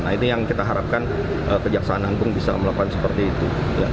nah ini yang kita harapkan kejaksaan agung bisa melakukan seperti itu